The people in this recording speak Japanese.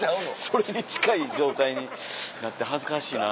それに近い状態になって恥ずかしいな。